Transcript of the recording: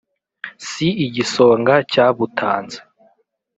si igisonga cyabutanze